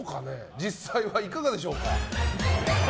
実際はいかがでしょうか？